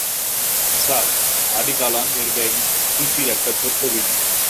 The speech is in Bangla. স্যার, আডিকালাম এর গ্যাং ত্রিচির একটা ছোট্ট বিন্দু।